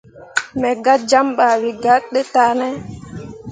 Me gah jam ɓah wǝ gah ɗe tah ne.